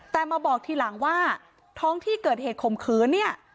แต่มาบอกทีหลังว่าท้องที่เกิดเหตุข่มขืนเนี่ย